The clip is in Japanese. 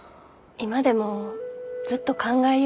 今でもずっと考えゆうがよ。